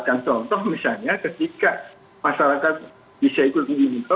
contoh misalnya ketika masyarakat bisa ikut di budget